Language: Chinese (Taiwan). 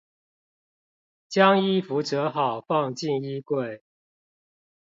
將衣服摺好放進衣櫃